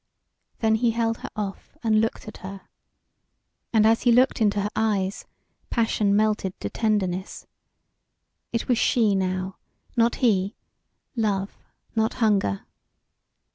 Then he held her off and looked at her. And as he looked into her eyes, passion melted to tenderness. It was she now not he; love not hunger.